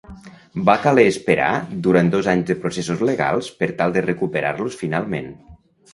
Va caler esperar durant dos anys de processos legals per tal de recuperar-los finalment.